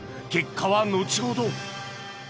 結果は後ほど！